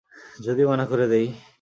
যদি মানা করে দেই?